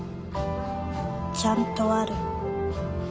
ちゃんとある。